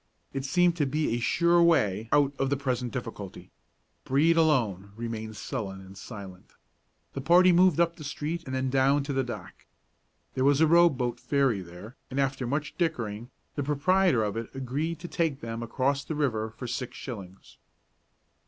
It seemed to be a sure way out of the present difficulty. Brede alone remained sullen and silent. The party moved up the street and then down to the dock. There was a row boat ferry there, and, after much dickering, the proprietor of it agreed to take them across the river for six shillings.